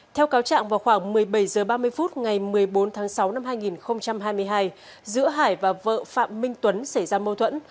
theo cáo trạng vào khoảng một mươi bảy h ba mươi phút ngày một mươi bốn tháng sáu năm hai nghìn hai mươi hai giữa hải và vợ phạm minh tuấn xảy ra mâu thuẫn